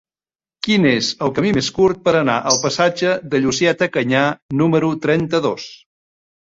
Quin és el camí més curt per anar al passatge de Llucieta Canyà número trenta-dos?